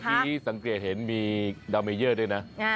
เมื่อกี้สังเกตเห็นมีดาเมเยอร์ด้วยนะ